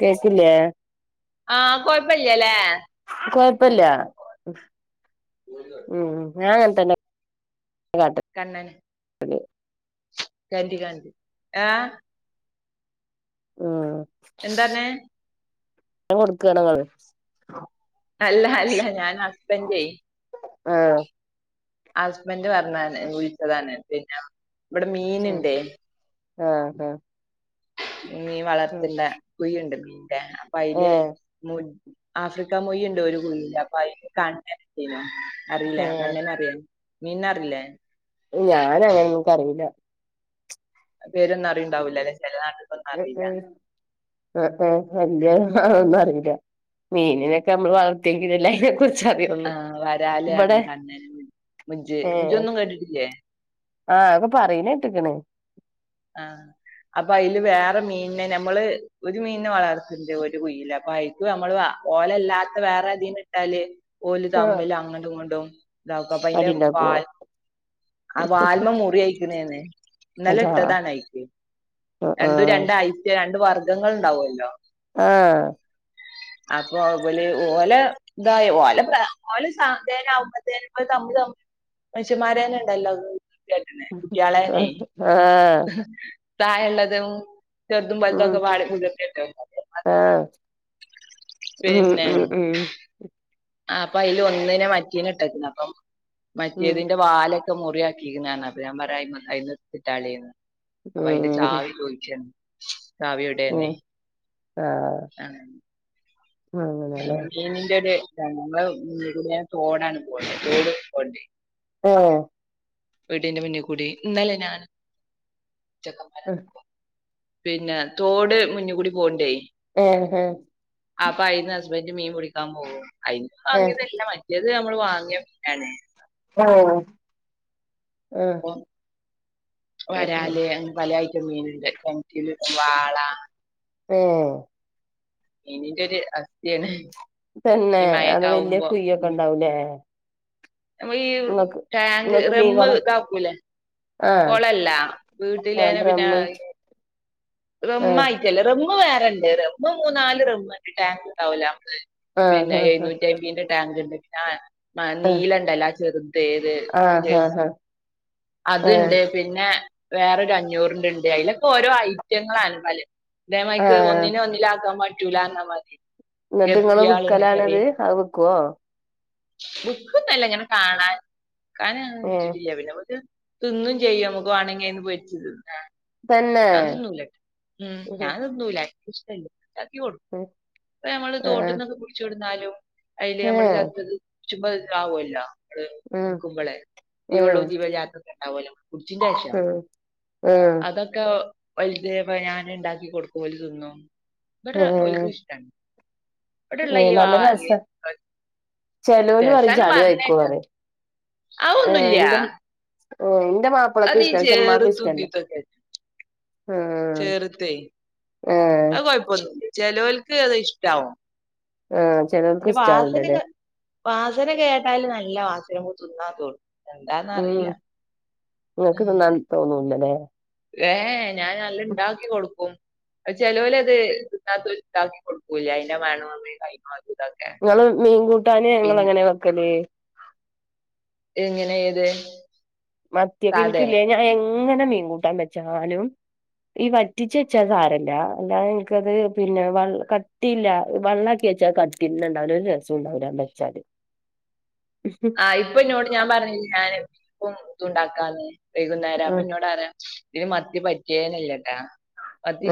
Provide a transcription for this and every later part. കേക്കില്ലേ ആഹ് കൊഴപ്പില്ലല്ലേ കൊഴപ്പില്ല ഉം ങ്ങനാ തന്നെ കണ്ണന് കാട്ടല് കണ്ടികാണ് അ ഉ എന്തന്നെ ഞാൻ കൊടുക്കുകണങ്ങൾ അല്ല അല്ല ഞാൻ ഹുസ്ബൻഡയ് ആ ഹസ്ബൻഡ് പറഞ്ഞാന് വിഴിച്ചതാണ് പിന്നെ ഇവിടെ മീൻുണ്ടേ- ആ ഹാ മീ വളർത്തിന്റെ കുഴുണ്ട് മീന്റെ അപ്പൊ ആയിൽ ഏഹ് മു ആഫ്രിക്ക മൊയി ഉണ്ടോ ഒരു കുയിൽ അപ്പൊ അതിന് കണ്ണന അറിയില്ല ഏഹ് കണ്ണന അറിയോ- മീന്നാറില്ലേ? ഞാന അങ്ങനെന്നക്കറിയില്ല. പേരൊന്നും അറിയുണ്ടാവില്ല അല്ലേ? ഉ ഉം ഉ ഉ ഉ ന്നും അറിയില്ല മീനിനൊക്കെ നമ്മൾ വളർത്തിയെങ്കിൽല്ല. ആ വരാലേ അറ കണ്ണ മുജ് മുജ ഒന്നും കേട്ടിട്ടില്ലേ? ആ അക്കൊ പറയനെറ്ക്കൻ. ആ അപ്പൊ അതില് വേറെ മീനിനെ നമ്മള് ഒരു മീനിനെ വളർത്തിണ്ട് ഒരു കുയില് അപ്പൊ അയിക്ക് നമ്മള്- ഓലല്ലാത്ത വേറെ തീനെ ഇട്ടാല് ഓല ആഹ് തമ്മില് അങ്ങോട്ടും ഇങ്ങോണ്ടും- ഇതക്കും അപ്പ അതിന്റെ അടിണ്ടാക്കുവോ വാൽ ആ വാൽമ മുറി അയക്കുന്നന്നെ നല്ല- അതാ ട്ടത രണ്ടും ആഹ് രണ്ട ഐ രണ്ട വർഗ്ഗങ്ങൾ ഉണ്ടാവല്ലോ. ആ അപ്പൊ അതുപോലെ ഓലെ ഇതായ ഓല ഓലെ സേന അമ്പത്തേ തമ്മ മച്ച്മാരാന ണ്ടല്ലോ. കുട്ടിയളേന്നെ. ആഹ് ആഹ് ആഹ് പ്രായല്ലതും ചെറുതും വലിതും ഉം - മ് മ് മ് ആ അപ്പൊ അതിൽ ഒന്നിനെ മറ്റീന ഇട്ടക്കുന്നു അപ്പ ഉം മറ്റിയതിന്റെ വാലൊക്കെ മുറിയാക്കി. അപ്പൊ ഞാൻ പറ അത്തിട്ടാളിന്ന് അപ്പൊ അതിന്റെ ഉം ചാവി ചോയ്ച്ചാണ്. കാവിയുടെ തന്നെ- ആ ന്റെ ഞ തോടാണ് പോവണ്ടത് തോ പോണ്ടേ- ആ വീടിന്റെ മുന്നിൽ കൂടി ഇന്നലെ ഞാൻ- ചെക്കന്മാരെ ആ പിന്നെ തോട് മുന്ന കൂടി പോവണ്ടായി- ആ മ് മ് മീൻ കുടിക്കാൻ പോവും അതിന് ഏഹ് വാങ്ങിയതല്ല മറ്റേത് നമ്മള് വാങ്ങിയാണ്. ആ ആ അപ്പം വരാല് പല ആയിട്ടും മീനുണ്ട് ചെയിലിട്ട വാള- ആ ഇനിന്റെ ഒരു അസ്ഥയാണ് തന്നെ ഈ അത് വല്യ മയക്കാവുമ്പോ കുയ്യൊക്കെ മ്. ഉണ്ടാവൂലേ ഞമ്മ ഈ ഇങ്ങക്ക് ടാങ്ക് ഇങ്ങക്ക് മീൻകുളം റമ്മ്താക്കുലെ ആഹ് കൊളല്ല ആഹ് വീട്ടിലന്നെ പിന്നെ ഡ്രമ്മ് ആഹ് റംമായിട്ടല്ലേ റം വേറെണ്ട് റമ്മ് മൂന്നാല് റമ്മ് ടാങ്ക് ണ്ടാവോളോ പിന്നെ ആഹ് ആഹ് എഴുന്നൂറ്റി അമ്പിന്റെ- ടാങ്ക് ണ്ട് പിന്നെ ആ നീലണ്ടല്ല ചെറുത ഏത് ആഹ് ഒരു- ആഹ് ആഹ് ആഹ് അത്ണ്ട് പിന്നെ വേറൊരു അഞ്ഞൂറിണ്ട് ഉണ്ട്. അതിലൊക്കെ ഓരോ ഐറ്റങ്ങളാണ് പല്- ഇ മക്ക് ആഹ് ഒന്നിനെ ഒന്നില ആക്കാൻ പറ്റൂല എന്നാ മതി. എന്നിട്ട് ഇങ്ങള് ഗപ്പിയാളുണ്ട് വിക്കലാണത് അത് വിക്കുവോ? ബുക്കന്നല്ല ഇങ്ങനെ കാണാൻ [unintelligible] ഏഹ് പിന്നെ- തിന്നും ചെയ്യ നമുക്ക് വേണെങ്കിൽന്ന് പിരിച്ചു തിന്ന തന്നെ ഞാനതൊന്നുമല ഉ ഞതൊന്നുംല്ല ക്ക് ഇഷ്ട്ടല്ല. ചക്ക കൊടും അപ്പ നമ്മള് ആഹ് തോട്ടന്നൊക്കെ പുടിച്ചു വിടുന്നാലും അതില് നമ്മള് ഏഹ് ചത്തത്- ചുമ അവോല്ലേ ഉം എടുക്കുമ്പോളെ, ഉം ജീവെള്ളും ജീവാഅല്ലാത്തതും കുച്ചിന്റെ ആവശ്യം ഉം ഉം അതൊക്കെ വലുത് ഞാനൻ ഉണ്ടാക്കി കൊടുക്കും ഓല് തിന്നും. ഇവടെ ഏഹ് ഒലക്ക് ഇഷ്ടമാണ് ഏഹ് അവിടെള്ളയ്യോ നല്ല ആവാ രസ [unintelligible] ചെലോല് പറയും രസാന്ന് ചളി കഴിക്കും പറഞ്ഞേക്ക പറയും അതൊന്നുല്ല എന്റെ അത് മാപ്പിളക്ക് ഇഷ്ട, പക്ഷെ ഇമ്മാക്ക് ഇഷ്ടല്ല. ആഹ് ചെറുത്തേ ഏഹ് അത് കൊഴപ്പന്നുല്ല. ചെലോൽക്ക് അത് ഇഷ്ടാവും. ആഹ് ചെലോൽക്ക് എന്റെ വാസന ഇഷ്ടാവൂലല്ലേ വാസന കേട്ടാല് നല്ല വാസന. മ്പോ തിന്നാത്തോ എന്താന്നറിയില്ല നിങ്ങക്ക് തിന്നാൻ തോന്നുലല്ലേ. എ ഏ ഞാൻ നല്ല ഉണ്ടാക്കി കൊടുക്കും. ചെലോലത് തിന്നാത്തോണ്ട് ണ്ടാക്കി കൊടുക്കൂല്ല, അതിന്റെ മണം നമ്മളെ കൈമ ങ്ങള് മീൻകൂട്ടാന് ങ്ങളെങ്ങനെ വെക്കല്. എങ്ങനെ ഏത് മത്തിയൊക്കെ സാധേ എനിക്കല്ലേ ഞാൻ എങ്ങനെ മീൻകൂട്ടാൻ വെച്ചാലും ഈ വറ്റിച്ച വെച്ചാ സാരല്ല അല്ലാതെ നിനക്ക്ത് പിന്നെ വ കട്ടിയില്ല വെള്ളാക്കി ച്ച കട്ടിന്നണ്ടാവുല ഒരു രസണ്ടാവില്ല വച്ചാല് ആ ഇപ്പൊ ഇന്നോട് ഞാൻ പറഞ്ഞില്ല ഞാൻപ്പം ഇത് ഉണ്ടാക്കാന്ന്‌. വൈകുന്നേരം അപ്പൊ ഉം ഇന്നോട് അറിയാം ഇതിന് മത്തി പറ്റിയേനല്ലേട്ടാ.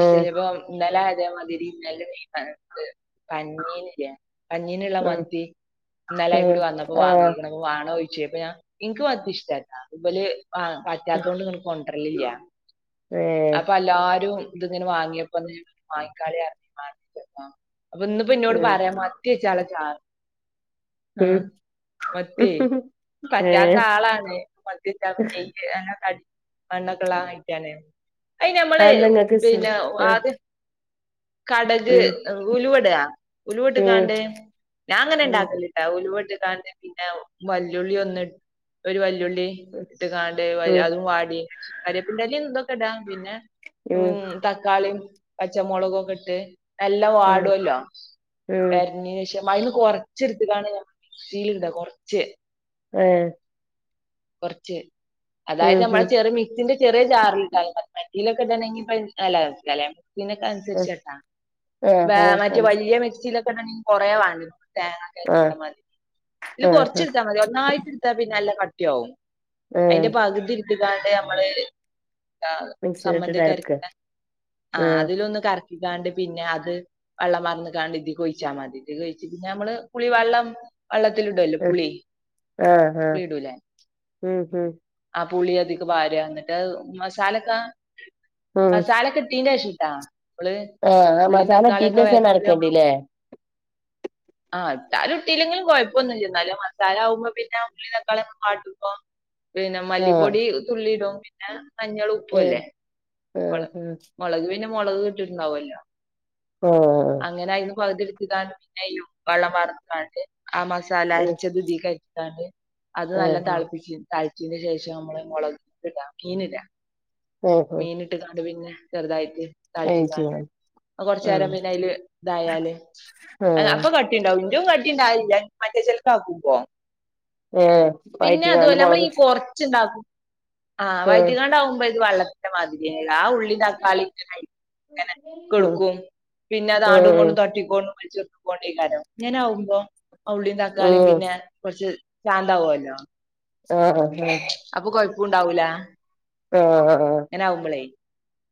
ഉം ഇന്നലെ അതേ മതിരി ഇന്നലെ പഞ്ഞീനില്ലെ പഞ്ഞീനുള്ള ഉം മത്തി ഉം ന്നലെയിക്കൂടി വന്നപ്പോ വാങ്ങി ആഹ് വാണോയ്ച്ച് അപ്പഞ ഇൻക്ക് മത്തി ഇഷ്ടല്ല ഉബല് പറ്റാത്തോണ്ട് ങ്ങട്ട്കൊ രില്ല ഏഹ് അപ്പൊ എല്ലാരും ഇത് ഇങ്ങനെ വാങ്ങിയപ്പോന്ന് ഞ വാങ്ങിക്കാളെ അപ്പൊ ഇന്നിപ്പോ എന്നോട് ഉം പറയാം മത്തി വെച്ചാള ചാറ് ഉം ആഹ് മത്തിയേ ഏഹ് പറ്റാത്ത ആളാണ് മത്തി വച്ചാളാ അ [unintelligible] ണ്ണൊക്കെള്ളാ മത്തിയാണ് അയി നമ്മളെ അതെന്താ ഇങ്ങക്ക് ഇഷ്ട്ടല്ല പിന്നെ ആഹ് ആദ്യം കടക് ഉം ഉലുവ ഉലുവോട്ട് ഉം കാണ്ട് ഞാൻ അങ്ങനെ ഉം ഉണ്ടാക്കലിട്ടാ ഉലുവട്ട് കാണ്ട് പിന്നെ വെല്ലുളി ഒന്ന് ഒരു വല്ലുളി ഇട്ടകാണ്ട് അതും വാടി കരിയപ്പിന്റെറെല ഇതൊക്കെ ഇടാം പിന്നെ ഉം തക്കാളിയും പച്ചമുളകും ഒക്കെ ഇട്ട് നല്ലാം വാടുല്ലോ ഉം വെരണ ശേഷം അതിന്ന് കൊറച്ചെടുത്താണ് മിക്സിൽ ഇടും. കുറച്ച് ആഹ് കുറച്ച് അതായത് ഉം നമ്മളെ ഉം ചെറിയ മിക്സിന്റെ ചെറിയ ജാറിൽണ്ടാ അത്ര [unintelligible] ഇതിനൊക്കെനുസരിച്ചട്ടാ വേ ആഹ് ആഹ് ആഹ് മറ്റെ മനസ്സി വല്ല്യ മിക്സിലൊക്കെ ഇടണങ്കിൽ കുറേ വാണം തേങ്ങ കണ്ട ആഹ് മതി ഇല് ആഹ് ആഹ് കൊറച്ചെടുത്താ മതി ഒന്നായിട്ടെടുത്താപിന്നല്ലാം കട്ടിയാവും ആഹ് അതിന്റെ പകുതിട്ത്ത്കാണ്ട് അമ്മള് മിക്സിയിലിട്ടിട്ട് സമ്മന്തിക്കര അരക്കാ [unintelligible] ആഹ് അതിലൊന്ന് ക്യാണ്ട് പിന്നെ അത് വെള്ളം പാർന്ന് കാണ്ട് ഇതി കൊഴിച്ചാ മതി. ഇത് കൊഴിച്ച പിന്നെമ്മള് പുളി വള്ളം വള്ളത്തിലിടല്ലോ ആഹ് പുളി ആഹ് ആഹ് പുളി ഇടൂലെ ഉം ഉം പുളി അതി വാര എന്നിട്ട് മസാലക്കെ ഉം മസാല കെ ഇട്ടീന്റെശംട്ടാ നമ്മള് ആഹ് ആ ഉള്ളിം മസാല തക്കാളിയൊക്കെ ഇട്ടീന്റെഷാണ് വയട്ടീല്ലെമ്മള് അരക്കണ്ടില്ലേ ആ ഇട്ടാലു ഇട്ടില്ലെങ്കിലും കൊയപ്പൊന്നുല്ല ന്നാലും മസാല ആമ്പോ പിന്നെ ഉള്ളി തക്കാളി വാട്ടുമ്പ പിന്നെ ആഹ് മല്ലിപ്പൊടി തുള്ളിടും പിന്നെ മഞ്ഞളും ഏഹ് ഉപ്പൂല്ലെ ആഹ് മൊളക് ട്ട്ട്ട്ണ്ടാവൊല്ലോ ആഹ് അങ്ങനയ്ന്ന് പക് തി ട്ത്ത് [unintelligible] [unintelligible] വള്ളം വാർത്ത്ങ്ങാണ്ട് ആ മസാല ആഹ് അരച്ചത് തിക്ക് [unintelligible] ത് നല്ലോം ആഹ് തൾപ്പിച്ചിം തൾച്ചീൻ്റെ ശേഷം അമ്മള് മൊളക് [unintelligible] മീന്‌ട ആഹ് മീന്ട്ട്ങ്ങാണ്ട് പിന്നെ ചെറ്തായ്റ്റ് തൾച്ച്ങ്ങാണ്ട് വേവിച്ച്ങ്ങാണ്ട് അ കൊർച്ചേരം ആഹ് പിന്നയ്ല് തായാല് അനെ ആഹ് അപ്പൊ കട്ടിണ്ടാവും റ്റും കട്ടിണ്ടാലില്ല മറ്റേ ചേൽക്കാക്കുമ്പോ ഏ വയ്റ്റിങ്ങാണ്ട് മൊളക് ട്ട് ആ വയറ്റിങ്ങാണ്ടാവുമ്പോ ഇത് വള്ളത്തിന്റെ മാതിരിയെന്നെണ് ആ ഉള്ളിം തക്കാളി ട്ട് [unintelligible] ആഹ് കൊടുക്കും പിന്നെ അത് ആണ്ടും ആഹ് ങ്ങ്ണ്ടും തട്ടിക്കും ങ്ങനെ ആവുമ്പൊ ഉള്ളിം തക്കാളിം ഉം പിന്നെ കൊർച്ച് ശാന്താവൊല്ലൊ ആ ആ ഉണ്ടാവൂല ങ്ങനാവുമ്പളെയ്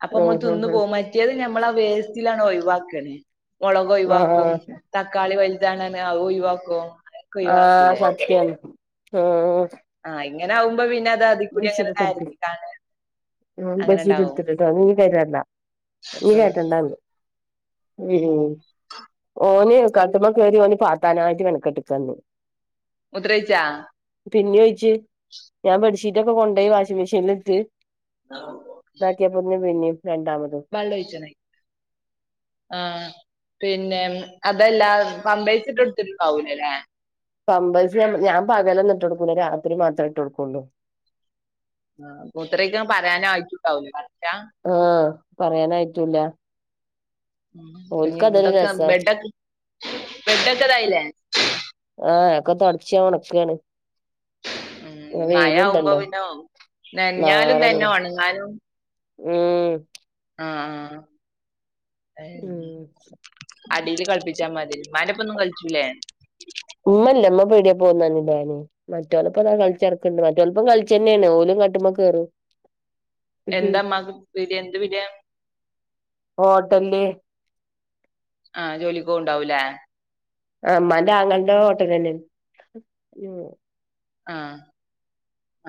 അപ്പ അമ്മള് ത് ആഹ് ന്ന് പോവും മറ്റേത് ഞം മ്മളാ വേസ്റ്റിലണ്ട് ഒയ്‌വാക്കാണ് ആഹ് മൊളകൊയ്‌വാക്കും ആഹ് തക്കാളി വെൽ താണേലൊ അവ് ഒയ്‌വാക്കും ആ സത്യം ഓ ആ ഇങ്ങനാവുമ്പൊ പിന്നെ അത് അതി കൂടി അങ്ങനണ്ട് ബെഡ്ഷീറ്റൊക്കെട്ക്ക് ആരഞ്ഞ്ങ്ങാണ്ട് അപ്പൊ [unintelligible] ഉം ഓനെയ് കട്ട്മ്മെ കേറി ഓന് പാത്താനായ്ട്ട് മെനക്കട്ട്ക്കാണ് ന്ന് മൂത്രയ്ച്ചാ പിന്നി ഒയ്ച്ച് ഞാൻ ബെഡ്ഷീറ്റ് ഒക്കെ കൊണ്ടോയി വാഷിംഗ് മെഷീൻല്ട്ട് നോക്ക്യപ്പൊണ്ട് പിന്നിം രണ്ടാമതും വള്ളൊയ്ച്ചണെയ് ആ പിന്നെ ഉം അതല്ലാ പമ്പേസ് ട്ടൊട്ക്കല് ണ്ടാവൂല ലേ പമ്പേസ് യണ്ട് ഞാൻ പകലൊന്നു ട്ടൊട്കൂല രാത്രി മാത്രേ ട്ടൊട്ക്കൊള്ളു ആ മൂത്രെയ്‌ക്കാൻ പറയാനായ്ട്ടൂണ്ടാവൂല ആ പറയാനായ്റ്റൂല്ല ഉം പിന്നെ ഇവടെ രസാ കമ്പ്ലെയ്റ്റാക്കി ബെഡൊക്ക തായിലെ ക്കൊ തൊടച്ച് ഒണക്കാണ് ഉം ഇ മയാവ്മ്പൊ വെയില്ണ്ടല്ലോ പിന്നെ അവും നെൻഞ്ഞാലും തന്നെ നാറെള്ളും ഒണങ്ങാനും ഉം ആ ആ ഏ ഉം അടീല് കൾപ്പിച്ചാ മതി മ്മാൻ്റപ്പൊന്നും കൾച്ചൂലെ ഇല്ല ല്ല മ്മ പീടിയെ പോണന്നർണ് ണ്ടെയ്നി മറ്റോലപ്പം ങ്ങനെ കൾച്ചടക്ക്ണ്ട് മറ്റോലപ്പം കൾച്ചന്നെയ്ന് ഓല് കട്ടുമ്മെ കേറു എന്താമ്മാക്ക് പീടിയ എന്ത് പീടിയ ഹോട്ടല്ല് ആ ജോലിക്കോണ്ടാവുല്ലേ ആ മ്മാന്റെ ആങ്ങൾൻ്റെ ഹോട്ടലെന്നെ [unintelligible] ആ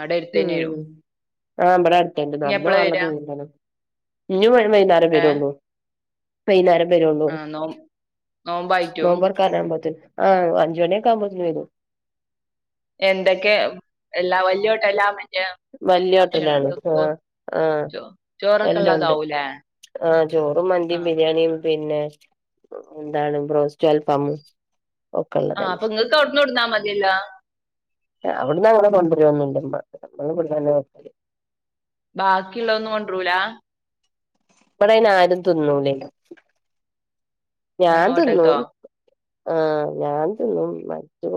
അടെ എര്ത്തെന്നെയൊ ആ ബടെ അട്ത്ത്ണ്ട് നട്ന്ന് പോവാള്ള ദുരം തന്നെ ഞ് വരും വൈന്നേരം ഏഹ് വെരൊള്ളു വൈന്നേരം വെരൊള്ളു ആഹ് നോ നോമ്പായിട്ടും നോമ്പർക്കാനാമ്പത്തിന് ആ അഞ്ച് മണിയൊക്കാമ്പത്തിന് വരും എന്തക്കെ ഉം എല്ലാ വല്യൊ [unintelligible] ൻ്റെ വല്യ ഭക്ഷണം ഹോട്ടലാണ് ആഹ് [unintelligible] ആഹ് ചൊ ചോറൊക്കള്ളതാവൂലേ ആ ചോറും മന്തിം ബിരിയാണിം പിന്നെ എർ എന്താണ് ബ്രോസ്റ്റു അൽഫാമും ആ ഒക്കെള്ളതന്നെ പ്പങ്ങക്ക് അവ്ട്ന്ന് കൊട്ന്ന മതിയല്ലോ എ അവ്‌ട്ന്നങ്ങനെ കൊണ്ടരൊന്നുല്ല [unintelligible] ഞങ്ങള് ബട്ന്നെന്നെ വെക്കല് ബാക്കിള്ള ഒന്നും കൊണ്ട്റൂല ഇവിടെയിന് ആരും തിന്നൂല്ലേ ആഹ് ഞാൻ തിന്നു ഹോട്ടൽത്തോ ആ ഞാൻ തിന്നും മറ്റു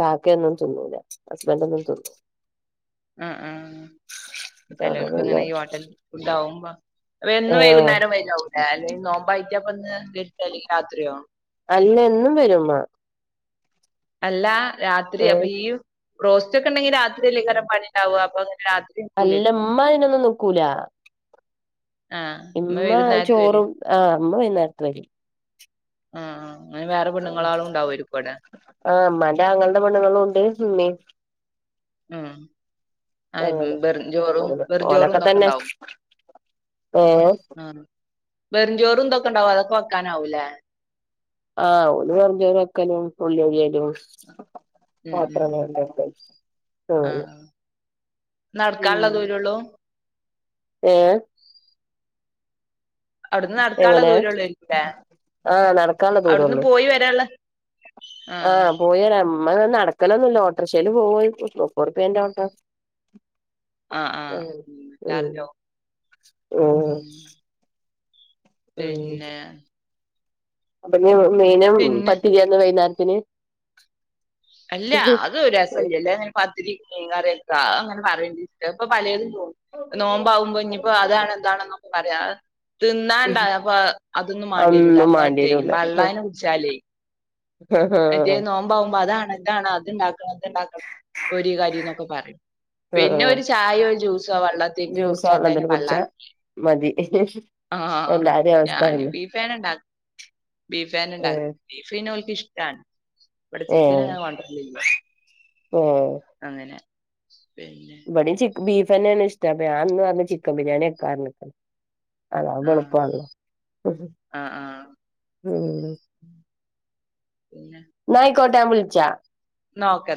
കാക്കയൊന്നും തിന്നൂല്ല ഹസ്ബൻഡ് ഒന്നും തിന്നു ആ ആ അപ്പ ചെലൊർക്ക് പിന്നെ അങ്ങനെ ഈ ഹോട്ടൽ ഫുഡ് ആവുമ്പോ വെന്ന് ആഹ് വൈകുന്നേരം വരാവൂല്ലെ ല്ലെനോമ്പായിറ്റപ്പ ഇന്ന് വെട്ടല്ലെങ്കിൽ രാത്രിയോ അല്ലെന്നും വരുമ്മ അല്ല രാത്രി അപ്പൊ ഏഹ് ഈ റോസ്റ്റ്ക്കെണ്ടെങ്കി രാത്രി അല്ലങ്കരം പണിണ്ടാവുക അപ്പൊ രാത്രി നിക്കൂലായിരിക്കും അല്ലമ്മതിനൊന്നും നിക്കൂല്ലാ ആഹ് ഇമ്മ വൈകുന്നേരത്ത് വരും ചോറും ആ അമ്മൈയുന്നേരത്ത് വരും ആ ആ ആ മ്മാന്റെ ആങ്ങൾടെ പെണ്ണുങ്ങളും ണ്ട് ഉമ്മി ഉം ആ അങ്ങനെ വെറും ചോറും ഓന് വെറും ചോറും ഓനൊക്കെ ഇതൊക്കെ തന്നെ ഉണ്ടാവും ഏ വെറുംചോറും ഇതൊക്കെ ഉണ്ടാവും അതൊക്കെ വെക്കാനാവൂലേ ആ ഓരു മന്തി വയ്ക്കാലും ഉള്ളിയരിലും ഉം ഉം [unintelligible] ആ നടക്കാനുള്ള ഉം ദൂരെള്ളു ഏ അവിടുന്ന് നടക്കാനുള്ള എങ്ങനെ ദൂരള്ളൂരിക്കൂലേ ആ നടക്കാനുള്ള അവിടുന്ന് ദൂരെള്ളൂ പോയി വരാനുള്ള ആ പോയരാ മ്മ നടക്കലൊന്നുല്ല ഓട്ടോറിക്ഷയിൽ പോവായിപ്പൊ നൂറുപ്യേന്റെ ഓട്ടം ആ ആ മ്മ് മ്മ് ചാർജാവും മ്മ് ഉം പിന്നെ അപ്പൊ നി മീനും പിന്നെ പത്തിരിയാന്നാ വൈയ്ന്നേരത്തിന് അല്ല അതൊരസല്ല്യല്ലേങ്ങനെ പത്തിരി മീൻ കറിക്കെങ്ങനെ പറയേലി അപ്പൊ പലതും നോമ്പാവുമ്പോ ഇനിപ്പോ അതാണ് ഇതാണ് എന്നൊക്കെ പറയാം തിന്നാണ്ട അപ്പൊ അതൊന്നും മേണ്ടി വെരൂലാ അതൊന്നും അന്നേരത്തെ മാണ്ടിരൂല വെള്ളേന്ന് കുടിച്ചാലേ ആഹ് മറ്റേ നോമ്പാവുമ്പോ അതാണ് അത്ണ്ടാക്കണം ഇത്ണ്ടാക്കണം പൊരി കടിന്നൊക്കെ പറയും പിന്നെ ആഹ് ഒരു ചായോ ഒരു ജ്യൂസോ വെള്ളംതിങ്ങും ജ്യൂസോ കുടിച്ചാത്തന്നെ വെള്ളന്തേലും കുടിച്ചാ പള്ളാറഞ്ഞ് മതി ആ എല്ലാരേം അവസ്ഥ ഞാന് അതന്നെ ബീഫ് ഞാൻ ഇണ്ടാക്ക ബീഫ് ഞാൻ ഇണ്ടാക്കു ഏഹ് ബീഫ് പിന്നെ ഓര്ക്ക് ഇഷ് ഇവിടെ ചിക്കൻ ഏഹ് അങ്ങനെ കൊണ്ടരല്ല ഏഹ് പിന്നെ ബീഫന്നെയാണ് ഇഷ്ടം ഞാൻന്ന് പറഞ്ഞ് ചിക്കൻ ബിരിയാണി വെയ്ക്കാന്ന് ആഹ് അതാവുമ്പോളുപ്പാണല്ലോ ആഹ് ആഹ് ഉം പിന്നെ ക്കോട്ട ഞാൻ വിളിച്ചാ ന്നാ ഓക്കേ